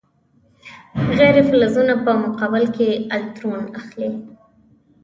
غیر فلزونه په مقابل کې الکترون اخلي.